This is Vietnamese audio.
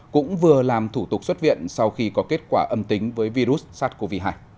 cũng vừa làm thủ tục xuất viện sau khi có kết quả âm tính với virus sars cov hai